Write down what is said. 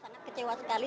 saya sangat kecewa sekali